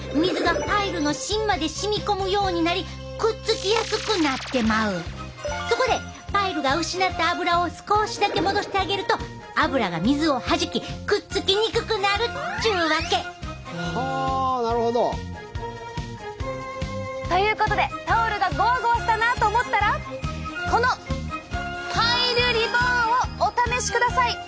せやからもともとところがするとそこでパイルが失ったアブラを少しだけ戻してあげるとアブラが水をはじきくっつきにくくなるっちゅうわけ。はあなるほど！ということでタオルがゴワゴワしたなと思ったらこのパイルリボーンをお試しください。